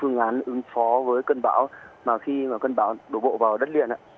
phương án ứng phó với cơn bão mà khi mà cơn bão đổ bộ vào đất liền